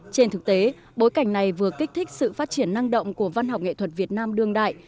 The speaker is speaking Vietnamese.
trên thực tế bối cảnh này vừa kích thích sự phát triển năng động của văn học nghệ thuật việt nam đương đại